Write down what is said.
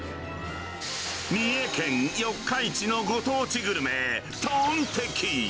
三重県四日市のご当地グルメ、トンテキ。